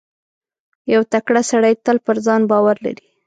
• یو تکړه سړی تل پر ځان باور لري.